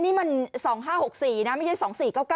นี่มัน๒๕๖๔นะไม่ใช่๒๔๙๙